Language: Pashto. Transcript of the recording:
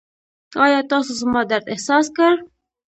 ایا تاسو زما درد احساس کړ؟